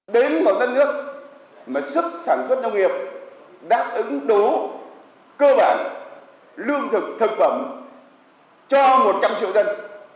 đến một đất nước mà sức sản xuất nông nghiệp đáp ứng đố cơ bản lương thực thực phẩm cho một trăm linh triệu dân